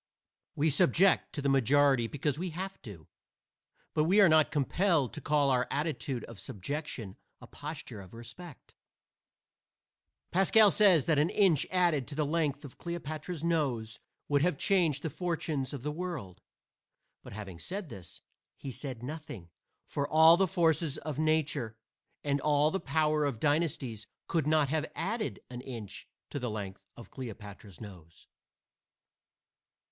We submit to the majority because we have to. But we are not compelled to call our attitude of subjection a posture of respect. Pascal says that an inch added to the length of Cleopatra's nose would have changed the fortunes of the world. But having said this, he has said nothing, for all the forces of nature and all the power of dynasties could not have added an inch to the length of Cleopatra's nose.